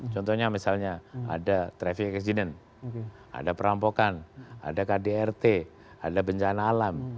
contohnya misalnya ada traffic accident ada perampokan ada kdrt ada bencana alam